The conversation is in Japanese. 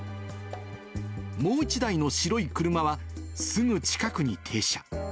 もう１台の白い車は、すぐ近くに停車。